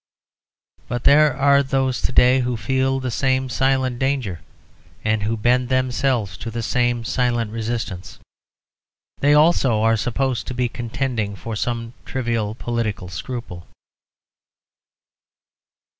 But there are those to day who feel the same silent danger, and who bend themselves to the same silent resistance. They also are supposed to be contending for some trivial political scruple.